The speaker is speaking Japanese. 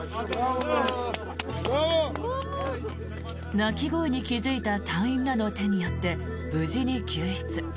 泣き声に気付いた隊員らの手によって無事に救出。